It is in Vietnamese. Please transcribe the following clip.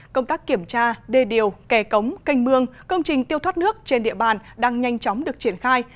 công tác kiểm tra đê điều kè cống canh mương công trình tiêu thoát nước trên địa bàn đang nhanh chóng được triển khai